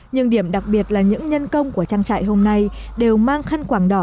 nhưng điểm đặc biệt là những nhân công của trang trại hôm nay đều mang khăn quảng đỏ